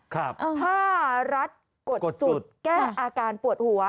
ถ้ารัฐกดจุดแก้อาการปวดหัว